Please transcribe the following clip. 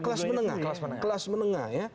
kelas menengah kelas menengah ya